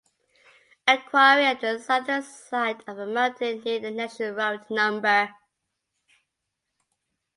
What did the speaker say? A quarry at the southern side of the mountain near the National Road no.